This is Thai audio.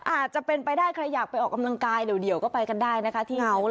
อาจจะเป็นไปได้ใครอยากไปออกกำลังกายเดี๋ยวก็ไปกันได้นะคะที่เงา